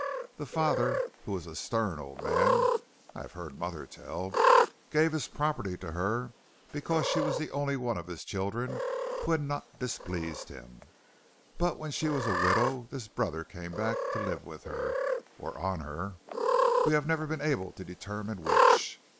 The father, who was a stern old man, I have heard mother tell, gave his property to her because she was the only one of his children who had not displeased him, but when she was a widow this brother came back to live with her, or on her, we have never been able to determine which.